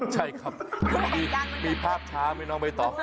ใช่ครับมีภาพช้าไม่น่าออกไปต่อ